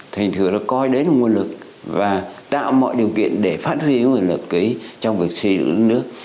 thành thừa nó coi đấy là nguồn lực và tạo mọi điều kiện để phát huy nguồn lực trong việc xây dựng đất nước